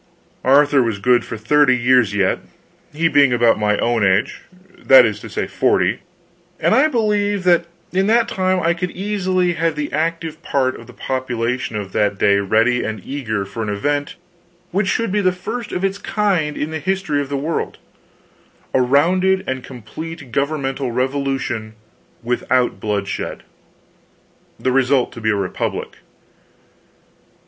Arthur was good for thirty years yet, he being about my own age that is to say, forty and I believed that in that time I could easily have the active part of the population of that day ready and eager for an event which should be the first of its kind in the history of the world a rounded and complete governmental revolution without bloodshed. The result to be a republic.